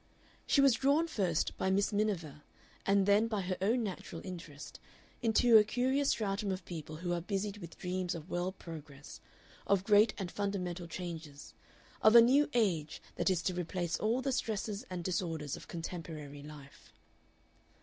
She was drawn first by Miss Miniver, and then by her own natural interest, into a curious stratum of people who are busied with dreams of world progress, of great and fundamental changes, of a New Age that is to replace all the stresses and disorders of contemporary life.